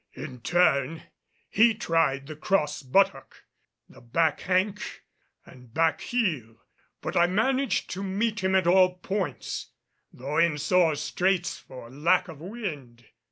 In turn he tried the cross buttock, the back hank and back heel, but I managed to meet him at all points, though in sore straits for lack of wind.